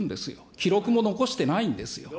記録も残してないんですよ。